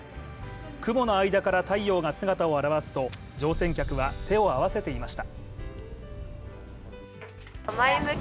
雲の間から太陽が姿を現すと、乗船客は手を合わせていました。